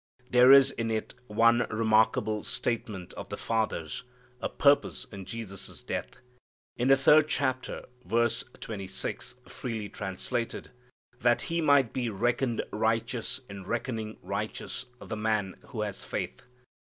There is in it one remarkable statement of the Father's, purpose in Jesus' death. In the third chapter, verse twenty six, freely translated, "that He might be reckoned righteous in reckoning righteous the man who has faith."